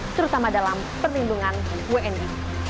terutama dalam perlindungan wni